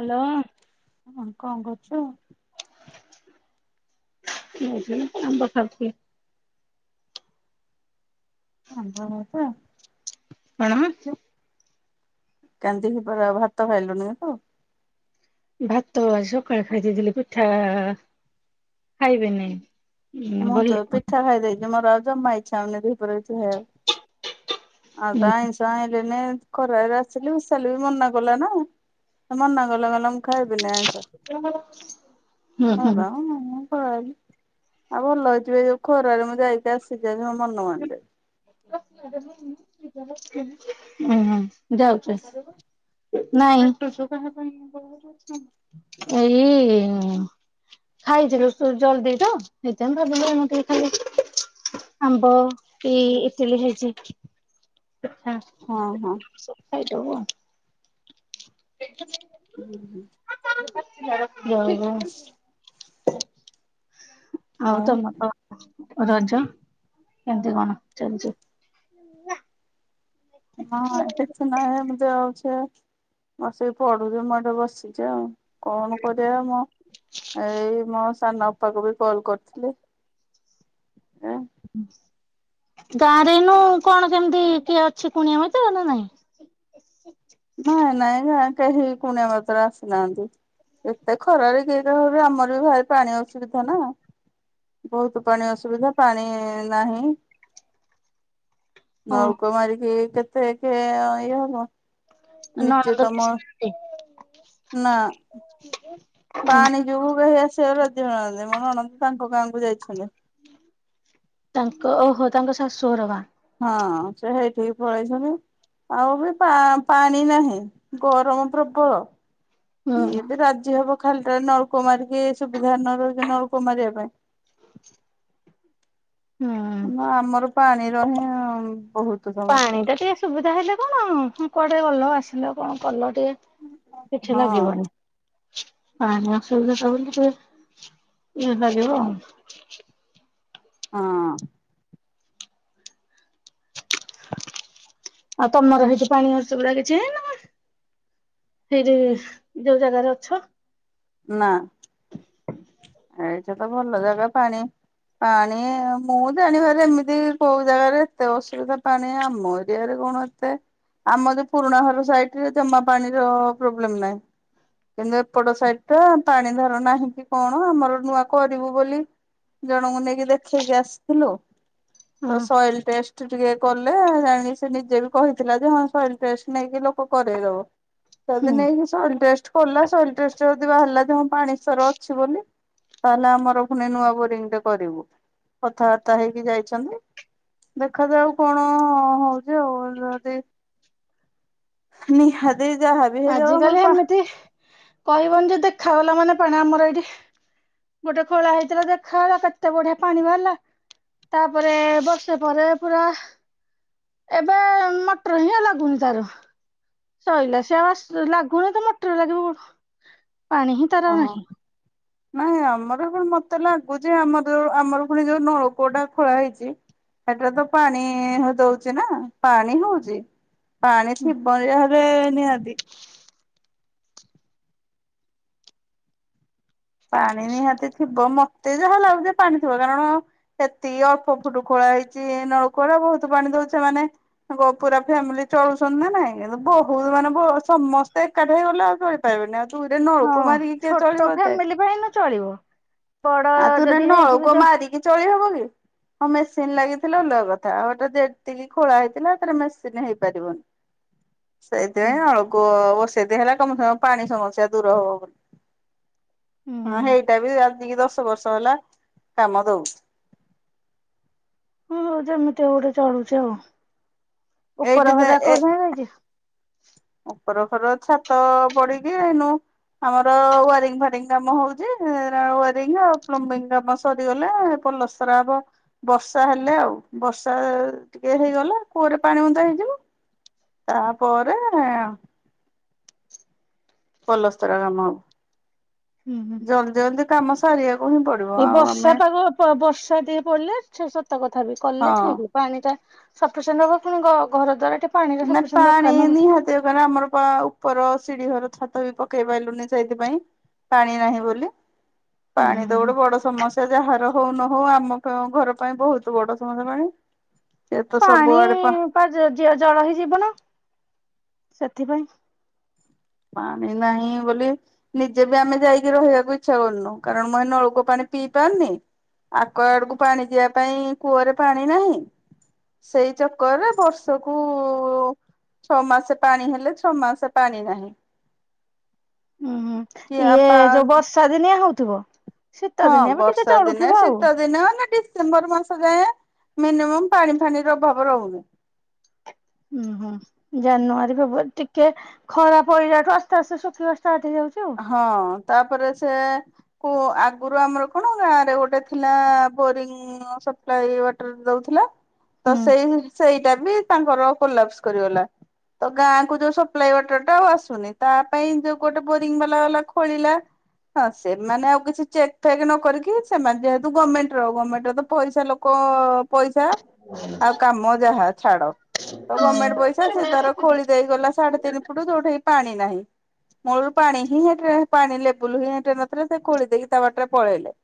Hello ହଁ କଣ କରୁଛୁ? ଉ, ହୁଁ ଆମ୍ବ ଖାଉଛି। ଆମ୍ବ ଖାଉଛ। କଣ? କାନ୍ଦିକି ପରା ଭାତ ଖାଇଲୁଣିି ତ? ଭାତ ଆଜି ସକାଳେ ଖାଇ ଦେଇେଇଥିଲି ପିଠା ଖାଇବେନି। ମୁଁ ଭଲ ତ ହୁଁ ପିଠା ଖାଇଦେଇଛି ଯେ ମୋର ଆଉ ଜମା ଇଚ୍ଛା ହଉନି ଦିପହରେ କିଛି ଖାଇବାକୁ ଆଉ ତ ଆଇଁଷ ଆଇଁଲେ ନେଇ ଖରାରେ ଆସିଲି ଉଷାଳି ବି ମନା କଲା ନା। ସେ ମନା କଲା କହିଲା ମୁଁ ଖାଇବିନି ଆଇଁସ, ହୁଁ ଖାଇଲେ ହୁଁ ଖାଉ ନହେଲେ ନାହିଁ। ଖରାରେ ଆଉ ଭଲ ହେଇଛିି। ଏ ଯୋଉ ଖରାରେ ମୁଁ ଯାଇକି ଆସିଛି ଆଜି ମୋ ମନ ମାନି ଯାଇଛି। ହୁଁ, ହୁଁ ଯାଉଛୁ [unintelligible] ନାଇଁ ଏଇ। ଖାଇଯିବେ ସୋ ଜଲଦି ତ ସେଇଥି ପାଇଁ ଭାବିଲୁ ଏ ଏମ୍ ତୀ ରେ ଖାଲି ଆମ୍ବ କି ଇଟିଲି ହେଇଛି ପିଠା ହଁ, ହଁ। ସେ ଖାଇଦବ। ପେଟ ଛେ [unintelligible] ହୁଁ, ହୁଁ। [unintelligible] ଆଉ ତମର ତ ରଜ କେମ୍ ତି କଣ ଚାଲିଛି? ହଁ, ସେ ନାଇଁ ଏମିତି ଯାଉଛେ ବସିକି ପଢୁଛି ମୁଁ ଏଠେ ବସିଛି ଆଉ। କଣ କରିବା ମୋ ଏଇ ମୋ ସାନ ଅପାକୁ ବି କଲ କରିଥିଲି ଏ। ଗାଁରେ ନୁହ କଣ କେମିତି କିଏ ଅଛି କୁଣିଆ ମିତ୍ର ନା ନାଇଁ। ନାଇଁ ନାଇଁ କେହି କୁଣଆ ମାତ୍ର ଆସି ନାହାନ୍ତି। ଏତେ ଖରାରେ କିଏ କା ଆମର ବି ଭାରି ପାଣି ଅସୁବିଧା ନା ବହୁତ୍ ପାଣି ଅସୁବିଧା ପାଣି ନାହିଁ। ହଁ ନଳକ ମାରିକି କେତେ କେ ଇଏ ହବ। ଏ ନିଜେ ନଣନ୍ଦ ତମ ବି ସେମିତି। ନା ପାଣି ଯୋଗୁ କେହି ଆସିବାକୁ ରାଜି ହଉ ନାହାନ୍ତି ମୋ ନଣନ୍ଦ ତାଙ୍କ ଗାଁକୁ ଯାଇଛନ୍ତି। ତାଙ୍କ ଓହୋ ତାଙ୍କ ଶାଶୁଘର ଗାଁ। ହଁ, ସେ ସେଇଠିକି ପଳେଇଛନ୍ତି। ଆଉ ବି ପା - ପାଣି ନାହିଁ ଗରମ ପ୍ରବଳ। ହୁଁ ଇଏବେ ରାଜି ହବ ଖାଲି ଟା ନଳକ ମାରିକି ସୁବିଧା ନ ରହୁଛି ନଳକ ମାରିବା ପାଇଁ। [inaudible] ନା ଆମର ପାଣି ର ହିଁ ବହୁତ୍। ପାଣି ଟା ଟିକେ ସୁବିଧା ହେଲେ କଣ କୁଆଡେ କଲ ଆସିଲ କଣ କଲ ଟିକେ। କିଛି ହଁ ଲାଗିବନି। ପାଣି ଅସୁବିଧା ସବୁ ଜିନିଷରେ ଇଏ ଲାଗିବ। ହଁ। ଆଉ ତମର ହେଇଛିି ପାଣି ଅସୁବିଧା କିଛି ହେଇନି। ସେଇଠି ଯୋଉ ଜାଗାରେ ଅଛ। ନା ଏଇଟା ତ ଭଲ ଜାଗା ପାଣି ପାଣି ମୁଁ ଜାଣିବାର ଏମିତି କୋଉ ଜାଗାରେ ଏତେ ଅସୁବିଧା ପାଣି, ଆମ ଏରିଆରେ କଣ ଅ ଆମର ପୁରୁଣା ଘର ସାଇଟରେ ଜମା ପାଣିର ପ୍ରୋବ୍ଲେମ ନାହିଁ। କିନ୍ତୁ ଏପଟ ସାଇଟଟା ପାଣି ଧର ନାହିଁ କି କଣ, ଆମର ନୂଆ କରିବୁ ବୋଲି ଜଣଙ୍କୁ ନେଇକି ଦେଖେଇକି ଆସିଥିଲୁ, ହଁ ତ ସଏଲ ଟେଷ୍ଟ ଟିକେ କଲେ ଜାଣିଲେ [unintelligible] ସେ ନିଜେ ବି କହିଥିଲା ଯେ, ହଁ ସଏଲ୍ ଟେଷ୍ଟ ନେଇକି ଲୋକ କରେଇଦବ। ହୁଁ ଯଦି ନେଇକି ସଏଲ୍ ଟେଷ୍ଟ କଲ, ସଏଲ ଟେଷ୍ଟ ଯଦି ବାହାରିଲା ଯେ ହଁ ପାଣି ସର ଅଛି ବୋଲି ତାହେଲେ ଆମର ପୁଣି ନୂଆ ବୋରିଙ୍ଗ ଟେ କରିବୁ, କଥାବାର୍ତ୍ତା ହେଇକି ଯାଇଛନ୍ତି। ଦେଖାଯାଉ କଣ ହଉଛି ଆଉ, ଯଦି ନିହାତି ଯାହା ବି ହେଇଯାଉ ଆଜିକାଲି ଆମର ପା ଏମିତି କହିବନି ଯେ ଦେଖାଗଲା ମାନେ ପାଣି ଆମର ଏଇଠି ଗୋଟେ ଖୋଳା ହେଇଥିଲା ଦେଖାହେଲା, କେତେ ବଢିଆ ପାଣି ବାହାରିଲା। ତାପରେ ବର୍ଷେ ପରେ ପୁରା ଏବେ ମଟର ହିଁ ଲାଗୁନି ତାର। ସଇଲା ସେ ଆଉ ଲାଗୁନି ତ ମଟର ଲାଗିବ କଣ, ପାଣି ହିଁ ତାର ଓ ହୋ। ନାହିଁ। ନାଇଁ ଆମର ପୁଣି ମତେ ଲାଗୁଛି, ଆମର ଯୋଉ ଆମର ପୁଣି ଯୋଉ ନଳକୂଅଟା ଖୋଳା ହେଇଛି ସେଇଟାରେ ତ ପାଣି ଦଉଛି ନା ପାଣି ହଉଚି। ପାଣି ଥିବ ଯାହେଲେ ନିହାତି। ପାଣି ନିହାତି ଥିବ, ମତେ ଯାହା ଲାଗୁ ଯେ ପାଣି ଥିବ କାରଣ ସେତିକି ଅଳ୍ପ ଫୁଟୁ ଖୋଳା ହେଇଛି ନଳକୂଅର, ବହୁତ ପାଣି ଦଉଛେ ମାନେ ପୁରା ଫ୍ୟାମିଲି ଚଳୁଛନ୍ତି ନା ନାଇଁ, ବହୁତ ମାନେ ସମସ୍ତେ ଏକାଠି ହେଇଗଲେ ଆଉ ଏ ପାଇବୁନି, ଆଉ ତୁ ଗୋଟେ ହଁ ନଳକୁ ମାରିକି କିଏ ଛୋଟ ଚଳିବ ଏତେ। [unintelligible] ଚଳିବ। ବଡ ଆଉ ତୁ ନା ଯଦି ହେଇଯିବେ ନଳକୂଅ ଯ ମାରିକି ଚଳି ହବ କି? ହଁ ମେସିନ ଲାଗିଥିଲା ଅଲଗା କଥା, ଆମର ତ ଯେତିକି ଖୋଳା ହେଇଥିଲା [unintelligible] ମେସିନ ହେଇପାରିବନି। ସେଇଥିପାଇଁ ଆଉ କୋ ବର୍ଷେ ଦି ହେଲା କମ ସେ କମ ପାଣି ସମସ୍ୟା ଦୂର ହବ ବୋଲି। ହଁ ହୁଁ ସେଇଟା ବି ଆଜିକି ଦଶ ବର୍ଷ ହେଲା କାମ ଦଉଛି। ହଁ ଯେମିତି ଗୋଟେ ଚଳୁଛି ଆଉ, ଏଇଠି ଉପର ଘର ଏ କରିନାହାନ୍ତି କି? ଉପର ଘର ଛାତ ପଡିକି ଏଇନୁ ଆମର ୱାରିଙ୍ଗ ଫାରିଙ୍ଗ କାମ ହଉଛି, ୱାରିଙ୍ଗ ଆଉ ପ୍ଲମ୍ବିଂ କାମ ସରିଗଲେ ପଲସ କରା ହବ ବର୍ଷା ହେଲେ ଆଉ, ବର୍ଷା ଟିକେ ହେଇଗଲେ କୂଅରେ ପାଣି ବୁନ୍ଦାଏ ହେଇଯିବ। ତାପରେ ପଲସ୍ତରା କାମ ହବ, ହୁଁ ହୁଁ ଜଲଦି ଜଲଦି କାମ ସାରିବାକୁ ହିଁ ପଡି ଏଇ ବର୍ଷା ପାଗ ବର୍ଷା ଟିକେ ପଡିଲେ, ସେ ସତ କଥା ବି ହଁ କଲେ ଠିକ୍ ଅଛି। ପାଣିଟା ସଫିସେଣ୍ଡ୍ ହବ, ପୁଣି ଘ ଘରଦ୍ଵାର କେ ନା ପାଣି ନିହାତି କାରଣ ଆମର କଣ ଆଉ ଉପର ସିଢି ଘର ଛାତ ବି ପକେଇ ପାଇଲୁନି ସେଇଥିପାଇଁ, ପାଣି ନାହିଁ ବୋଲି। ପାଣି ତ ଗୋଟେ ବଡ ସମସ୍ୟା, ଯାହାର ହଉ ନ ହଉ ଆମ ଘର ପାଇଁ ବହୁତ ବଡ ସମସ୍ୟା ପାଣି। ସେ ତ ପାଣି ସବୁଆଡେ ପା ଜଳ ହିଁ ଜୀବନ ସେଥିପାଇଁ। ପାଣି ନାହିଁ ବୋଲି ନିଜେ ବି ଆମେ ଯାଇକି ରହିବାକୁ ଇଚ୍ଛା କରୁନୁ, କାରଣ ମୁଁ ଏ ନଳକୂଅ ପାଣି ପିଇ ପାରୁନି। ଆକ୍ୱାଗାର୍ଡକୁ ପାଣି ଯିବା ପାଇଁ କୂଅରେ ପାଣି ନାହିଁ। ସେଇ ଚକରରେ ବର୍ଷକୁ ଛଅ ମାସେ ପାଣି ହେଲେ ଛଅ ମାସ ପାଣି ନାହିଁ। ଉୁଁ ହୁଁ କି ଇଏ ଆପା ଯୋଉ ବର୍ଷା ଦିନିଆ ହଉଥିବ। ଶୀତ ହଁ ଦିନିଆ ବି ଟିକେ ବର୍ଷା ଦିନେ ଚଳୁଥିବ ଆଉ ଶୀତ ଦିନେ ଅନ୍ୟ ଦି ଡିସେମ୍ବର ମାସ ଯାଏଁ ମିନିମମ୍ ପାଣି ଫାଣିର ଅଭାବ ରହୁନି। ହୁଁ ହୁଁ। ଜାନୁଆରୀ ଫେବୃୟାରୀ ଟିକେ ଖରାପ ପଇଲାଠୁ ଆସ୍ତେ ଆସ୍ତେ ଶୁଖିବା ଷ୍ଟାର୍ଟ ହେଇଯାଉଛି। ଆଉ ହଁ ତାପରେ ସେ କୁ ଆଗରୁ ଆମର କଣ ଗାଁ ରେ ଗୋଟେ ଥିଲା ବୋରିଙ୍ଗ। ସପ୍ଲାୟୀ ୱାଟର ଦଉଥିଲା ତ ହୁଁ। ସେଇ ସେଇଟା ବି ତାଙ୍କର ପୋଲାପସ କରିଗଲା। ତ ଗାଁକୁ ଯୋଉ ସପ୍ଲାାଇ ୱାଟର ଟା ଆଉ ଆସୁନି ତା ପାଇଁ ଯୋଉ ଗୋଟେ ବୋରିଙ୍ଗ ବାଲା ବାଲା ଖୋଳିିଲା। ହଁ ସେମାନେ ଆଉ କିଛି ଚେକ୍ ଫେକ୍ ନ କରିକି ସେମାନେ ଯେହେୁ ଗମେଣ୍ଟର ଗମେଣ୍ଟ ର ତ ପଇାସା ଲୋକ କ ପଇସା ଆଉ କାମ ଯାହା ଛାଡ। ତ ଗମେଣ୍ଟ ପଇସା ସେ ତାର ଖୋଳି ଦେଇ ଗଲା ସାଢେ ତିନି ଫୁଟ ଯୋଉଠି କି ପାଣି ନାହିଁ। ମୂଳରୁ ପାଣି ହିଁ ହେ ପାଣି ଲେବୁଲ ହିଁ ହେଟି ନଥିଲା ସେ ଖୋଳି ଦେଇକି ତା ବାଟରେ ପଳେଇଲେ।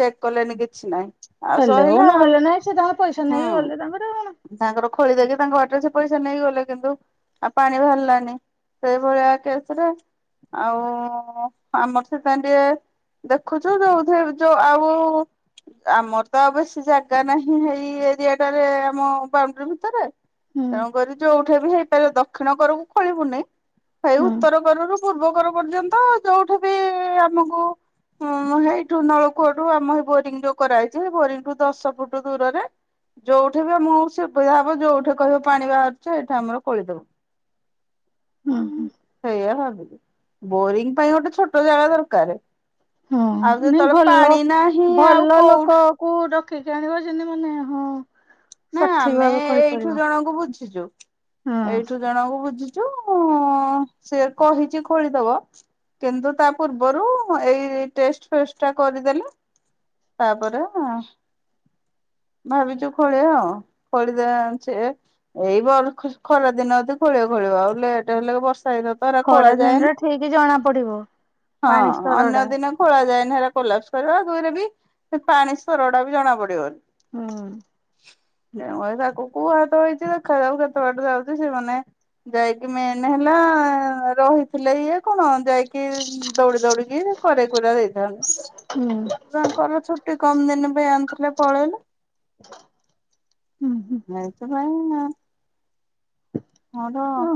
ଚେକ୍ କଲେଣିି କିଛି ନହିଁ। ହେଲେ ହଉ ନହେଲେ ନାଇଁ ସେ ତାଙ୍କର ପଇସା ନେଇକି ଗଲେ ହୁଁ। ତାଙ୍କର କଣ। ତାଙ୍କର ଖୋଳି ଦେଇକି ତାଙ୍କ ବାଟରେ ସେ ପଇସା ନେଇଗଲେ କିନ୍ତୁ ଆଉ ପାଣି ବାହାରିଲାନି। ସେଇଭଳିଆ କେସରେ ଆଉ ଆମର ସେଥିପାଇଁ ଟିକେ ଦେଖୁଛୁ ଯୋଉଥିରେ ଯୋଉ ଆଉ ଆମର ତ ଆଉ ବେଶୀ ଜାଗା ନାହିଁ ହେଇ ଏରିଆ ଟାରେ ଆମ ବାଉଣ୍ଡରି ଭିତରେ। ହୁଁ ତେଣୁକରି ଯୋଉଠି ବି ହେଇପାରିବ ଦକ୍ଷିଣ କରକୁ ଖୋଳିବୁନେଇ ସେଇ ଉ ହୁଁ ରୁ ପୂର୍ବ କର ପର୍ଯ୍ୟନ୍ତ ଯୋଉଠି ବି ଆମକୁ ହଁ ମାନେ ଏଇ ଟୁନା ବୋଉ କୂଅଠୁ ଆମ ହେ ବୋରିଂ ଯୋଉ କରାଯାଇଛିହେଇ ବୋରିଂଠୁ ଦଶ ଫୁଟ ଦୂରରେ ଯୋଉଠି ବି ଆମକୁ ସୁଵିଧା ହବ ଯୋଉଠି କହିବ ପାଣି ବାହାରୁଛି ସେଇଠି ଆମର ଖୋଳିଦେବୁ। ହୁଁ ହୁଁ। ସେଇଆା ଭାବିଲି ବୋରିଂ ପାଇଁ ଗୋଟେ ଛୋଟ ଜାଗା ଦରକାର। ଆଉ ହଁ ନାଇଁ ଯେତେବେଳେ ପାଣି ନାହିଁ ଆଉ କୋଉଠୁ କୋଉଠୁ ରଖିକି ଆଣିବ ଯେମିତି ମାନେ ହଁ ନା ସଠିକ ଆମେ ଭାବେ କହିପାରିବ ଏଇଠୁ ଜଣଙ୍କୁ ବୁଝିଛୁ ହୁଁ ଏଇଠୁ ଜଣଙ୍କୁ ବୁଝିଛୁ ଚୁ ସେ କହିଛି ଖୋଳିଦବ। କିନ୍ତୁ ତା ପୂର୍ବରୁ ଏଇ ଟେଷ୍ଟ ଫେଷ୍ଟ ଟା କରିଦେଲେ ତାପରେ ଭାବିଛୁ ଖୋ [unintelligible] ଏଇ ବର୍ ଖରା ଦିନ ଯଦି ଖୋଳିବ ଖୋଳିବ ଆଉ ଲେଟ୍ ହେଲେ ବର୍ଷ ରେ ପା ଖୋଳା ଖରା ଯାଏନି ଦିନରେ ଠିକ ଜଣା ପଡିବ ହଁ ପାଣି ସ୍ତର ଅନ୍ୟ ଟା ଦିନେ ଖୋଳା ଯାଏନି ହେରା କୋଲାପସ କରିବ ଦୁଇ ରେ ବି ସେ ପାଣି ସୋର ଟା ବି ଜଣା ପଡିବନି। ହଁ। ତାକୁ କୁହାତ ହେଇଛି ଦେଖାଯାଉ କେତେ ବାଟ ଯାଉଛି ସେମାନେ ଯାଇକି ମେନ୍ ହେଲା ରହିଥିଲେ ଇଏ କଣ ଯାଇକି ଦୌଡି ଦୌଡିକି କରେଇ କୁରା ଦେଇଥାନ୍ତେ। ହୁଁ। ତାଙ୍କର ଛୁଟି କମ ଦିନ ପାଇଁ ଆଣିଥିଲେ ପଳେଇଲେ। [unintelligible] ଏଇଥି ପାଇଁ ମୋର ହୁଁ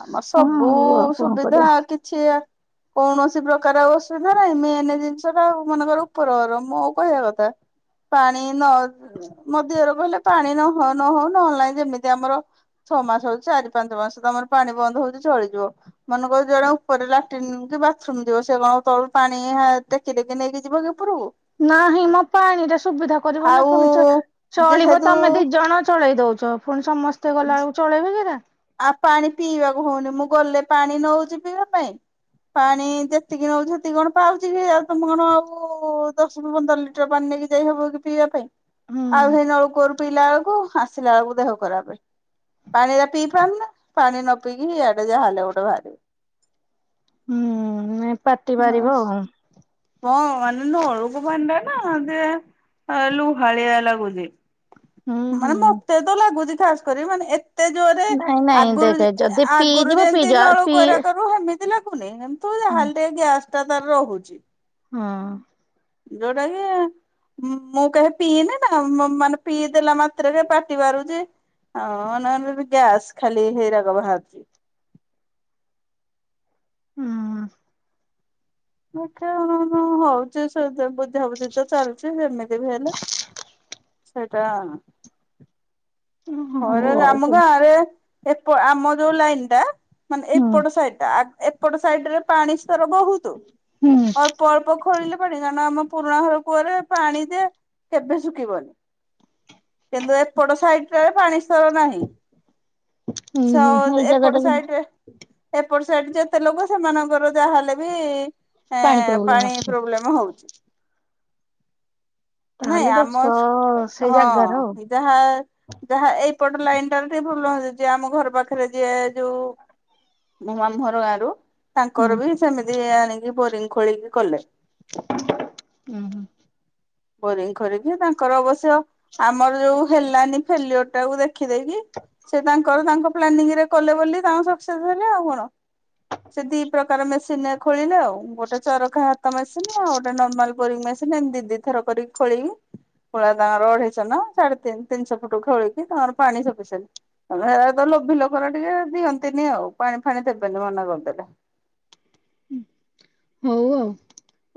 ଆମର ହଁ ସବୁ ଆଉ ଆଉ କଣ ସୁବିଧା କରିବା କିଛି ଆ କୌଣସି ପ୍ରକାର ଆଉ ଅସୁବିଧା ନାହିଁ, ମେନେ ଜିନିଷ ଟା ମନେକର ଉପରଘର ମୋ କହିବା କଥା ପାଣି ନ ମୋ ଦିଅର କହିଲେ ପାଣି ନହୋଉ ନହେଲେ ନାହିଁ ଯେମିତି ଆମର ଛଅ ମାସେ ହୋଉ ଚାରି ପାଞ୍ଚ ମାସେ ତମର ପାଣି ବନ୍ଦ ହୋଉ ଯେ ଚଳିଯିବ। ମନେକର ଜଣେ ଉପରେ ଲାଟିନ୍ କି ବାଥରୁମ୍ ଯିବ ସେ କଣ ତଳୁ ପାଣିଏତେ ଟେକି ଟେକି ନେଇକି ଯିବକି ଓପରୁକୁ। ନାହିଁ ମ ପାଣିରେ ସୁବିଧା କରିବ ନା ଆଉ ପୁଣି ଯେ ଚଳିବ ଯେହେତୁ ତମେ ଦି ଜଣ ଚଳେଇ ଦୋଉଚ ପୁଣି ସମସ୍ତେ ଗଲାବେଳକୁ ଚଳେଇବେ କିନା। ଆଉ ପାଣି ପିଇବାକୁ ହୋଉନି ମୁଁ ଗଲେ ପାଣି ନଉଚି ପିଇବା ପାଇଁ। ପାଣି ଯେତିକି ନୋଉଚି ସେତିକି କଣ ପାଉଚିକି, ତମେ କଣ ଆଉ। ଦଶରୁ ପନ୍ଦର ଲିଟର ପାଣି ନେଇକି ଯାଇ ହବ କି ପିଇବା ପାଇଁ। ହୁଁ ଆଉ ହେଇ ନଳକୂଅରୁ ପିଇଲା ବେଳକୁ ଆସିଲା ବେଳକୁ ଦେହ ଖରାପେ, ପାଣି ଗୁରା ପିଇ କାହିଁ ନା ପାଣି ନ ପଇକି ଇଆଡେ ଯାହାହେଲେ ଗୋଟେ ବାହାରିବ। ହୁଁ ପାଟି ବାରିବ ହଁ। ଆଉ। ହଁ ମାନେ ନଳକୂପ ପାଣିଟା ନା ଯେ ଲୁହାଳିଆ ଲାଗୁଚି। ହୁଁ ହୁଁ ମାନେ ମତେ ତ ଲାଗୁଚି ଖାସେ କରି ମାନେଏ ଏତେଯୋରେ ନାଇଁ ନାଇଁ ଆଗୁରୁ ଦେଖେ ଯଦି ଅଗୁରୁ ପିଇଯିବ ଯେମିତି ପିଇଯା ପିଇ ନଳକୂଅରେ ହେମିତି ଏମିତି ଲାଗୁନି, ଏମିତି ଯାହା ହୁଁ ହେଲେ ଗ୍ୟାସ ଟା ତାର ରହୁଚି। ହଁ। ଯୋଉଟା କି ମୁଁ କେବେ ପିଇନେହିଁ ମାନେ ପିଇଦେଲା ମାତ୍ରେକେ ପାଟି ବାହାରୁଚି। ହଁ ନହେଲେ ଗ୍ୟାସ ଖାଲି ହେଇରାକ ବାହାରୁଚି। ହୁଁ। ଦେଖିଆ କଣ ହୋଉଚି ସେଦେଵେ। ସବୁ ଦିନିତ ଚାଲୁଚି ଯେମିତି ବି ହେଲେ ସେଟା। ହୁଁ ଥରେ ହଉ ଆଉ ଆମ କଣ ଗାଁ ରେ ଏପ ଆମ ଯୋଉ ଲାଇନ୍ ଟା ମାନେ ହୁଁ ଏପଟ ସାଇଟି ଟା ଏପଟ ସାଇଟି ରେ ପାଣି। ତ ରୋଗ ଭୋଉତୁ ହୁଁ ଅଂ ଅଳ୍ପ ଖୋଳିଲେ ପାଣି କାରଣ ଆମ ପୁରୁଣା ଘର କୂଅରେ ପାଣି ଯେ କେବେ ଶୁଖିବନି। କିନ୍ତୁ ଏପଟ ସାଇଟ୍ ଟାରେ ପାଣି ସ୍ତର ନାହିଁ। ହୁଁ ଏଇ ସଉ ଜାଗା ଟା ଏପଟ କିନ୍ତୁ ସାଇଟ୍ ରେ ଏପଟ ସାଇଟ୍ ଯେତେ ଲୋକ ସେମାନଙ୍କର ଯାହାହେଲେ ବି ଏଁ ପ୍ରୋବ୍ଲେମ୍ ପାଣି ଅଛି ପ୍ରୋବ୍ଲେମେ ହୋଉଚି। ନାଇଁ ତାହେଲେ ଆମ ଦୋଷ ସ୍କୁ ସେଇ ହଁ ଜାଗାର ଆଉ ଯାହା। ଯାହା ଏଇପଟ ଲାଇନ୍ ଟା ଟିକେ ଭଲ ଯିଏ ଆମ ଘର ପାଖରେ ଯିଏ ଯୋଉ ମୋ ମାମୁଁ ଘର ଗାଁ ରୁ ହୁଁ ତାଙ୍କର ବି ସେମିତି ଆଣିକି ବୋରିଙ୍ଗି ଖୋଳିକି କଲେ। ଉଁ ହୁଁ। ବୋରିଙ୍ଗି ଖୋଲିକି ତାଙ୍କର ଅବଶ୍ୟ ଆମର ଯୋଉ ହେଲାନି। ଫେଲି ଓର୍ ଟାକୁ ଦେଖିଦେଇକି। ସେ ତାଙ୍କର ତାଙ୍କ ପ୍ଲାନିଙ୍ଗି ରେ କଲେ ବୋଲି ତାଙ୍କର ସକ୍ସେସ୍ ହେଲେ ଆଉ କଣ। ସେ ଦି ପ୍ରକାର ମେସିନ୍ ରେ ଖୋଳିଲେ ଆଉ ଗୋଟେ ଚରଖା। ହାତ ମେସିନ୍ ଆଉ ଗୋଟେ ନର୍ମାଲ ବୋରିଙ୍ଗି ମେସିନ୍। ଏମିତି ଦି ଦିଥର କରିକି ଖୋଳିନୁ ଖୋଳା ତାଙ୍କର ଅଢେଇଶ ନା ସାଢେ ତିନି ତିନିଶହ। ସେପଟୁ ଖୋଲିକି ତାଙ୍କର ପାଣି ସଫିସିଏଣ୍ଟ। ହେରା ତ ଲୋଭ ଲୋକର ଟିକେ ଦିଅନ୍ତିନି ଆଉ ପାଣି ଫାଣି ଦେବେନି ମନା କରିଦେଲେ। ହଉ ଆଉ।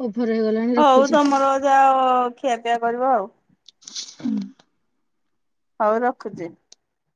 ଓଭର ହେଇଗଲାଣି। ହଉ ରଖୁଛି। ତମର ଯାଅ ଖିଆ ପିଆ କରିବ ଆଉ। ହୁଁ। ହଉ ରଖୁଛି।